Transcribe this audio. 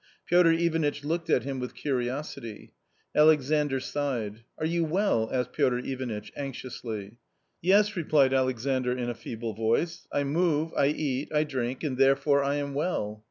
Piotr Ivanitch looked at him with curiosity. Alexandr sighed. " Are you well ?" asked Piotr Ivanitch, anxiously. " Yes," replied Alexandr in a feeble voice, " I move, I eat, I drink, and therefore I am well."